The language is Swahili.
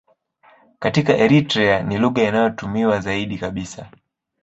Katika Eritrea ni lugha inayotumiwa zaidi kabisa.